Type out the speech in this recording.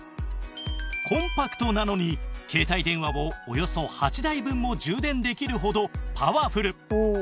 コンパクトなのに携帯電話をおよそ８台分も充電できるほどパワフル